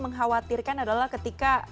mengkhawatirkan adalah ketika